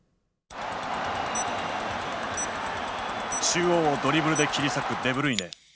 中央をドリブルで切り裂くデブルイネ。